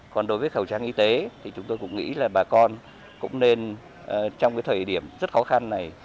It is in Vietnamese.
còn đối với khẩu trang y tế thì chúng tôi cũng nghĩ là bà con cũng nên trong cái thời điểm rất khó khăn này